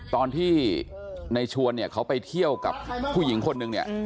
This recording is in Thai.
ตอนที่ในชวนเขาไปเที่ยวกับผู้หญิงคนนึง